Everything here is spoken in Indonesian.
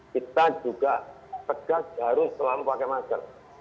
kita juga tegas harus selalu pakai masker